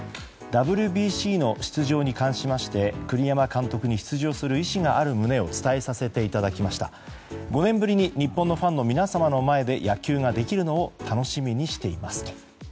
ＷＢＣの出場に関しまして栗山監督に出場する意思がある旨を伝えさせていただきました５年ぶりに日本のファンの皆様の前で野球ができるのを楽しみにしていますと。